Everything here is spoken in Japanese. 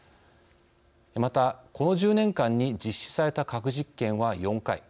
また、この１０年間に実施された核実験は４回。